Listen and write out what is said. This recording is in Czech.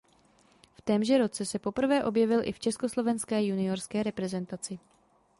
V témže roce se poprvé objevil i v československé juniorské reprezentaci.